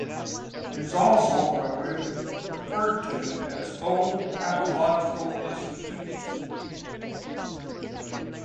It is also referred to as Old Pathological Institute.